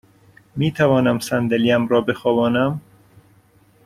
می توانم صندلی ام را بخوابانم؟